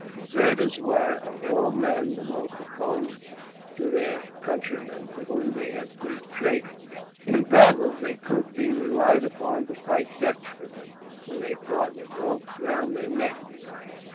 Deserters were, of all men, the most opposed to their countrymen, to whom they had proved traitors. In battle they could be relied upon to fight desperately, for they fought with ropes round their necks.